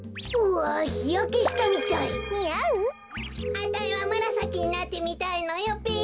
あたいはむらさきになってみたいのよべ。